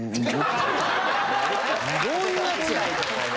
どういうやつやねん。